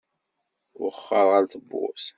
Wexxer ɣef tewwurt.